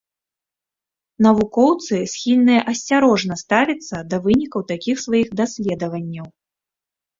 Навукоўцы схільныя асцярожна ставіцца да вынікаў такіх сваіх даследаванняў.